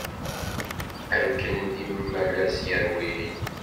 Akken d imalas yerwin!